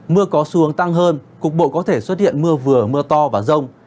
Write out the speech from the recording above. mưa có xu hướng tăng hơn cục bộ có thể xuất hiện mưa vừa mưa to và rông